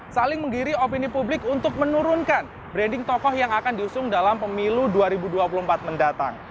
saling menggiri opini publik untuk menurunkan branding tokoh yang akan diusung dalam pemilu dua ribu dua puluh empat mendatang